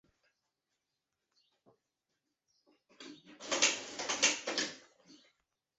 延吉街道党建